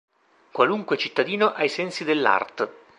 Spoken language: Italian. Qualunque cittadino, ai sensi dell'art.